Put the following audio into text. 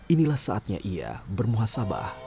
inilah saatnya ia bermuha sabah